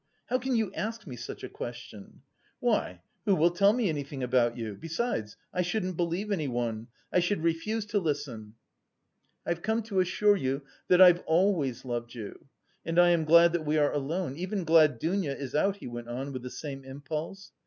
How can you ask me such a question? Why, who will tell me anything about you? Besides, I shouldn't believe anyone, I should refuse to listen." "I've come to assure you that I've always loved you and I am glad that we are alone, even glad Dounia is out," he went on with the same impulse.